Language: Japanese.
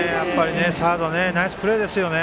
サード、ナイスプレーですよね。